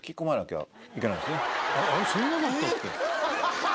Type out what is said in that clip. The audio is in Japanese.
そんなだったっけ？